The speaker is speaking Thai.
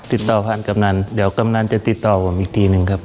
ติดต่อผ่านกำนันเดี๋ยวกำนันจะติดต่อผมอีกทีหนึ่งครับ